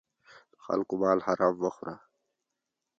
د خلکو مال حرام مه خوره.